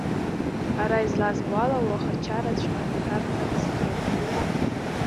Ара излазбо ала, уаха ачараҵәҟьа ҭарҵарц иҟоуп.